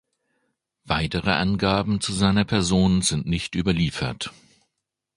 Weitere Angaben zu seiner Person sind nicht überliefert.